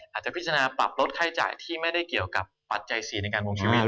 อาจจะพิจารณาปรับลดค่าจ่ายที่ไม่ได้เกี่ยวกับปัจจัยสีในการมุมใช่มั้ยครับ